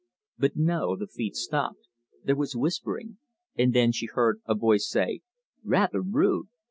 But no, the feet stopped, there was whispering, and then she heard a voice say, "Rather rude!"